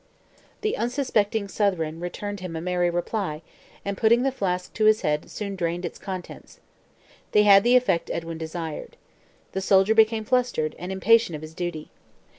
The unsuspecting Southron returned him a merry reply, and putting the flask to his head, soon drained its contents. They had the effect Edwin desired. The soldier became flustered, and impatient of his duty.